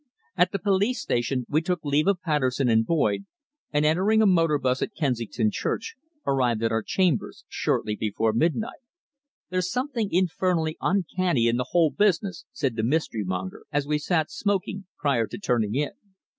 At the police station we took leave of Patterson and Boyd, and entering a motor bus at Kensington Church, arrived at our chambers shortly before midnight. "There's something infernally uncanny in the whole business," said the Mystery monger as we sat smoking, prior to turning in.